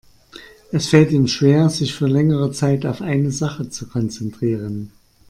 Es fällt ihm schwer, sich für längere Zeit auf eine Sache zu konzentrieren.